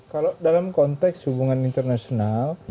kalau dalam konteks hubungan internasional